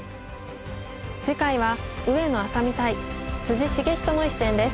次回は上野愛咲美対篤仁の一戦です。